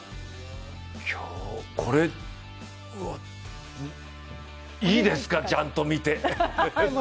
今日、これ、いいですか、ちゃんと見て。